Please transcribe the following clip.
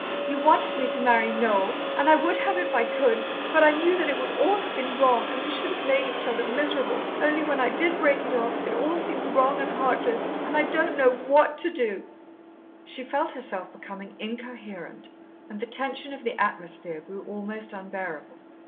"You wanted me to marry Noel, and I would have if I could, but I knew that it would all have been wrong, and we should have made each other miserable. Only when I did break it off, it all seemed wrong and heartless, and I don't know what to do " She felt herself becoming incoherent, and the tension of the atmosphere grew almost unbearable.